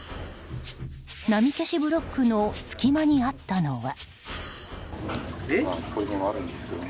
波消しブロックの隙間にあったのは。